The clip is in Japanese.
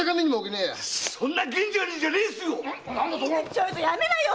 ちょいとやめなよ！